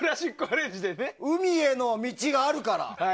「海への道」があるから。